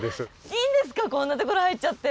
いいんですかこんなところ入っちゃって。